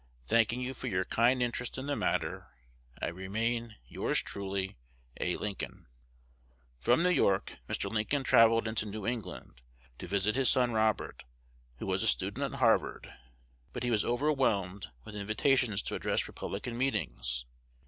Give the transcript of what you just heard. Thanking you for your kind interest in the matter, I remain Yours truly, A. Lincoln. From New York Mr. Lincoln travelled into New England, to visit his son Robert, who was a student at Harvard; but he was overwhelmed with invitations to address Republican meetings.